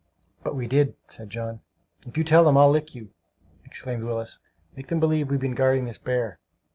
"But we did," said John. "If you tell them I'll lick you!" exclaimed Willis. "Make them believe we've been guarding this bear!"